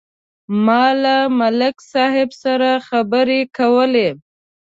ما له ملک صاحب سره خبرې کولې.